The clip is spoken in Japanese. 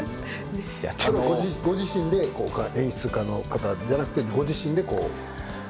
ご自身で演出家の方じゃなくてご自身で。